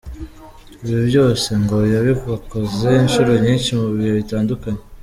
Ibi byose, ngo yabibakoze inshuro nyinshi mu bihe bitandukanye.